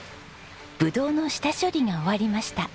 ブドウの下処理が終わりました。